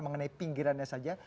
mengenai pinggirannya saja